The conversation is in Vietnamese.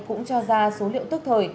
cũng cho ra số liệu tức thời